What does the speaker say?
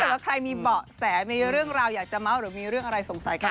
แล้วใครมีเบาะแสมีเรื่องราวอยากจะเมาส์หรือมีเรื่องอะไรสงสัยกัน